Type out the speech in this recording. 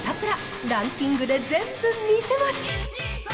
ランキングで全部見せます。